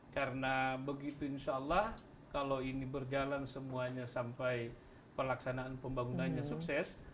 karena begitu insya allah kalau ini berjalan semuanya sampai pelaksanaan pembangunannya sukses